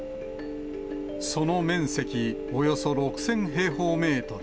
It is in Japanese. その面積、およそ６０００平方メートル。